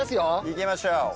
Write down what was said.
いきましょう。